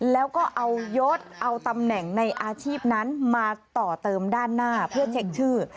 แล้วก็เอายศเอาตำแหน่งในอาชีพนั้นมาต่อเติมด้านหน้าเพื่อเช็คชื่อ